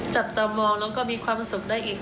จับตามองแล้วก็มีความสุขได้อีก